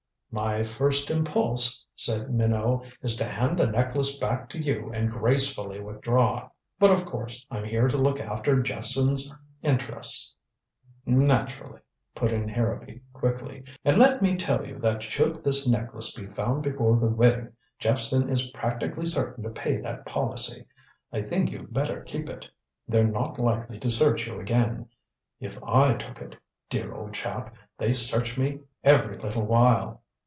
"My first impulse," said Minot, "is to hand the necklace back to you and gracefully withdraw. But of course I'm here to look after Jephson's interests " "Naturally," put in Harrowby quickly. "And let me tell you that should this necklace be found before the wedding, Jephson is practically certain to pay that policy. I think you'd better keep it. They're not likely to search you again. If I took it dear old chap they search me every little while."